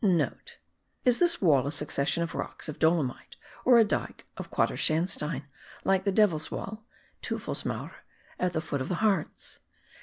(* Is this wall a succession of rocks of dolomite or a dyke of quadersandstein, like the Devil's Wall (Teufelsmauer), at the foot of the Hartz?